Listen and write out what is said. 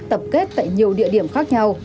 tập kết tại nhiều địa điểm khác nhau